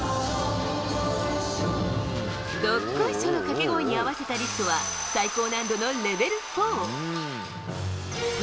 どっこいしょのかけ声に合わせたリフトは最高難度のレベル